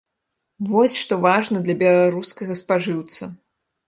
Вось што важна для беларускага спажыўца.